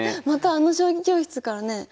またあの将棋教室からね